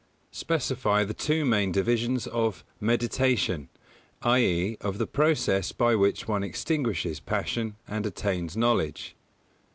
_Specify the two main divisions of "meditation," i.e., of the process by which one extinguishes passion and attains knowledge?